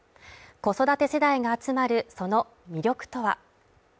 子育て世代が集まるその魅力とは。